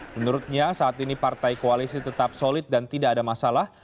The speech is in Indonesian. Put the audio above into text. menurutnya saat ini partai koalisi tetap solid dan tidak ada masalah